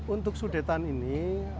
untuk sudetan ini